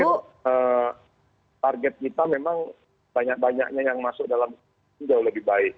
saya pikir target kita memang banyak banyaknya yang masuk dalam jauh lebih baik